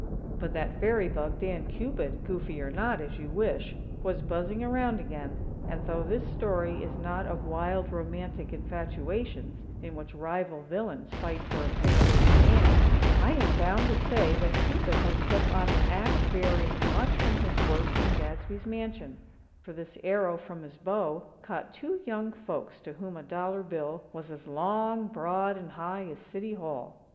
But that fairy bug, Dan Cupid, goofy or not, as you wish, was buzzing around again; and, though this story is not of wild, romantic infatuations, in which rival villains fight for a fair lady's hand, I am bound to say that Cupid has put on an act varying much from his works in Gadsby's mansion; for this arrow from his bow caught two young folks to whom a dollar bill was as long, broad and high as City Hall.